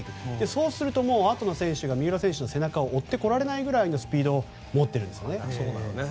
そうするとあとの選手が三浦選手のあとを追っていけないぐらいのスピードを持っているんですね。